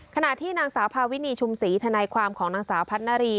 ขณะที่นางสาวพาวินีชุมศรีทนายความของนางสาวพัฒนารี